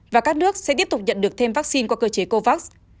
và các nước sẽ tiếp tục nhận được thêm vaccine qua cơ chế covax